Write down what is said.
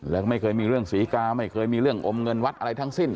แล้วก็ไม่เคยมีเรื่องศรีกาไม่เคยมีเรื่องอมเงินวัดอะไรทั้งสิ้น